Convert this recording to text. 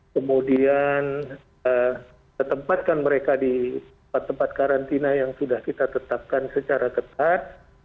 kemudian ketempatkan mereka di tempat tempat karantina yang sudah kita tetapkan secara ketat